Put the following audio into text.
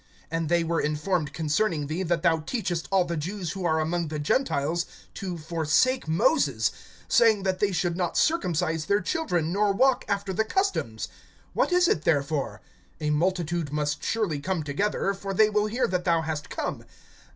(21)And they were informed concerning thee, that thou teachest all the Jews who are among the Gentiles to forsake Moses, saying that they should not circumcise their children, nor walk after the customs. (22)What is it therefore? A multitude must surely come together; for they will hear that thou hast come.